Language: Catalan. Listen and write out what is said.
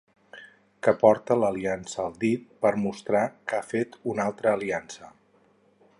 Que porta l'aliança al dit per mostrar que ha fet una altra aliança.